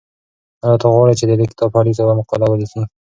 ایا ته غواړې چې د دې کتاب په اړه یوه مقاله ولیکې؟